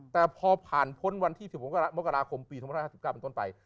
แต่พอผ่านพ้นวันที่๑๖มกราคมปี๒๕๕๙เป็นต้นไป